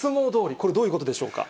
これ、どういうことでしょうか？